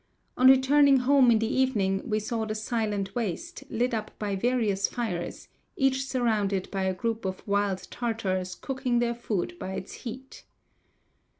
On returning home in the evening we saw the silent waste, lit up by various fires, each surrounded by a group of wild Tartars cooking their food by its heat.